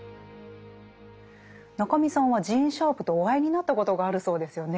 中見さんはジーン・シャープとお会いになったことがあるそうですよね。